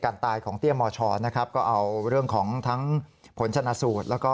ตายของเตี้ยมชนะครับก็เอาเรื่องของทั้งผลชนะสูตรแล้วก็